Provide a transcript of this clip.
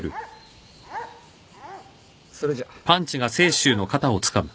それじゃ。